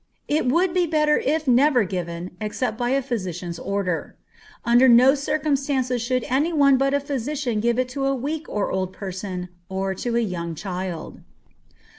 It would be better if never given, except by a physician's order. Under no circumstances should any one but a physician give it to a weak or old person, or to a young child.